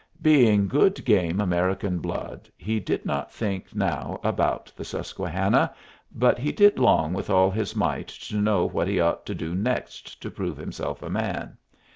Being good game American blood, he did not think now about the Susquehanna, but he did long with all his might to know what he ought to do next to prove himself a man.